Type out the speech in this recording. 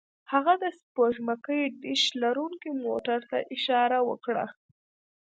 هغه د سپوږمکۍ ډیش لرونکي موټر ته اشاره وکړه